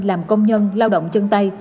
làm công nhân lao động chân tay